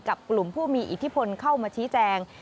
กลุ่มผู้มีอิทธิพลเข้ามาชี้แจง